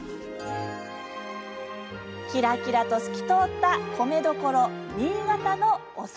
キラキラと透き通った米どころ新潟のお酒。